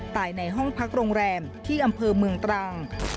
ในห้องพักโรงแรมที่อำเภอเมืองตรัง